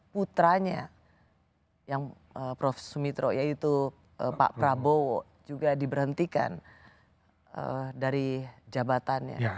putranya yang prof sumitro yaitu pak prabowo juga diberhentikan dari jabatannya